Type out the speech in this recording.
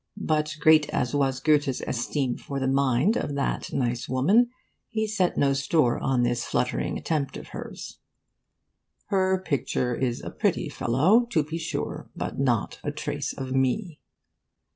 But, great as was Goethe's esteem for the mind of that nice woman, he set no store on this fluttering attempt of hers: 'her picture is a pretty fellow, to be sure, but not a trace of me.